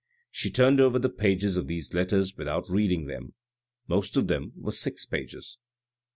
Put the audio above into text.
She turned over the pages of these letters without reading them. Most of them were six pages.